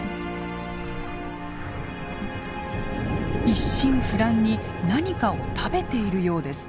一心不乱に何かを食べているようです。